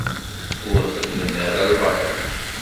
Ur xeddmen ara lbaṭel.